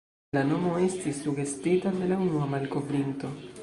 La nomo estis sugestita de la unua malkovrinto.